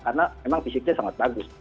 karena memang fisiknya sangat bagus